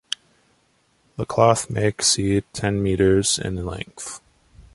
The cloth may exceed ten meters in length.